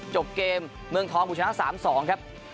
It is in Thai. จบเกมเมืองทองบุชนะ๓๒ครับ